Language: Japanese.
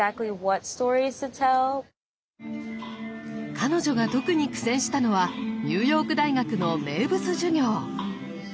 彼女が特に苦戦したのはニューヨーク大学の名物授業！